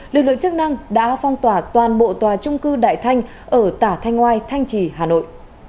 lực lượng chức năng đã phong tỏa toàn bộ tòa trung cư đại thanh ở tả thanh ngoai thanh trì hà nội